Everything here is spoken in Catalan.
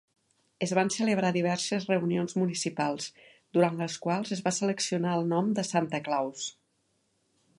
Es van celebrar diverses reunions municipals, durant les quals es va seleccionar el nom de "Santa Claus".